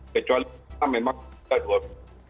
kecuali kita memang tidak